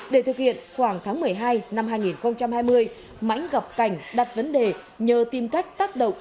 để thực hiện khoảng tháng một mươi hai năm hai nghìn hai mươi mãnh gặp cảnh đặt vấn đề nhờ tìm cách tác động